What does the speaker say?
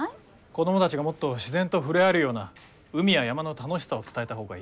子供たちがもっと自然と触れ合えるような海や山の楽しさを伝えた方がいい。